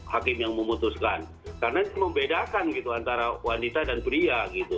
hakim yang memutuskan karena membedakan gitu antara wanita dan pria gitu